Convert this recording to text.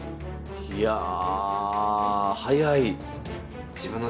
いやあ早い。